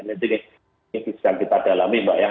ini bisa kita dalami mbak ya